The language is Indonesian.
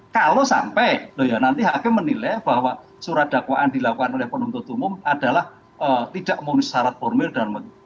kalau sampai nanti hakim menilai bahwa surat dakwaan dilakukan oleh penuntut umum adalah tidak memenuhi syarat formal dan materi